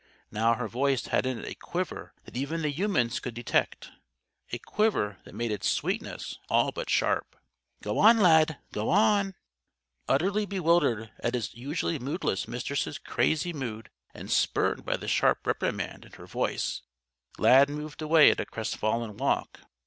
Now her voice had in it a quiver that even the humans could detect; a quiver that made its sweetness all but sharp. "Go on, Lad! Go on!" Utterly bewildered at his usually moodless Mistress' crazy mood and spurred by the sharp reprimand in her voice Lad moved away at a crestfallen walk.